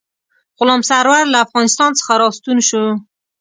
غلام سرور له افغانستان څخه را ستون شو.